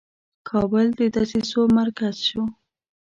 کابل د دسیسو مرکز شو.